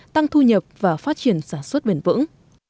tăng thu nhập và phát triển sản xuất bền vững